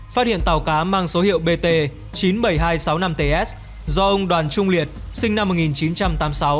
phát hiện tàu cá mang số hiệu bt chín mươi bảy nghìn hai trăm sáu mươi năm ts do ông đoàn trung liệt sinh năm một nghìn chín trăm tám mươi sáu